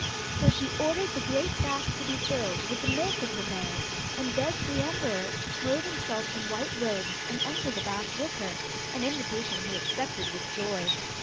So she ordered the great bath to be filled with the milk of her mares, and begged the emperor to clothe himself in white robes, and enter the bath with her, an invitation he accepted with joy.